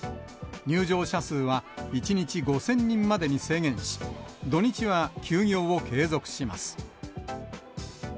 入場者数は１日５０００人までに制限し、土日は休業を継続します。